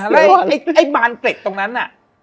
แล้วไปให้บานตะตรวงนั้นน่ะ